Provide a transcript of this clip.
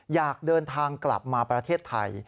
อยากเดินทางกลับมาประเทศไทย